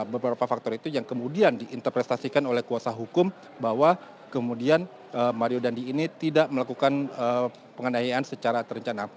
beberapa faktor itu yang kemudian diinterpretasikan oleh kuasa hukum bahwa kemudian mario dandi ini tidak melakukan penganayaan secara terencana